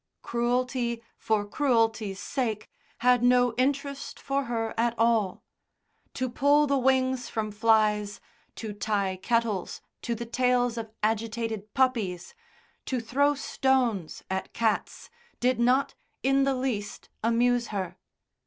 Cruelty for cruelty's sake had no interest for her at all; to pull the wings from flies, to tie kettles to the tails of agitated puppies, to throw stones at cats, did not, in the least, amuse her.